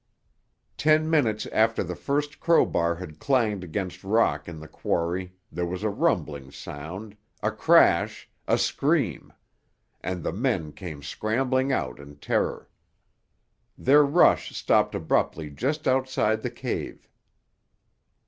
Ten minutes after the first crowbar had clanged against rock in the quarry there was a rumbling sound, a crash, a scream; and the men came scrambling out in terror. Their rush stopped abruptly just outside the cave.